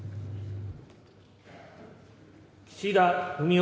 岸田文雄